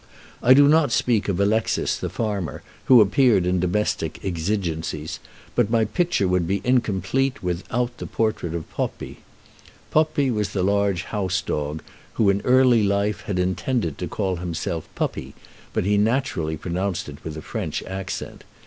I do not speak of Alexis, the farmer, who appeared in domestic exigencies; but my picture would be incomplete without the portrait of Poppi. Poppi was the large house dog, who in early life had intended to call himself Puppy, but he naturally pronounced it with a French accent.